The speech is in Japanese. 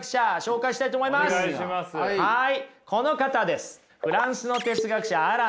はい。